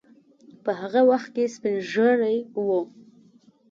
په هغه وخت کې سپین ږیری وو.